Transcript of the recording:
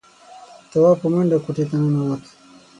تواب په منډه کوټې ته ننوت.